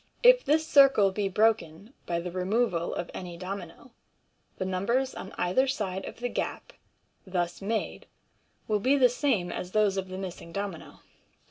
If this circle be broken by the removal of any domino, the numbers on either side of the gap thus made will be the same as those of the missing domino.